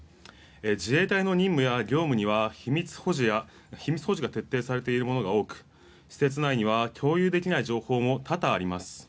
自衛隊の任務や業務には秘密保持が徹底されているものが多く施設内には共有できない情報も多々あります。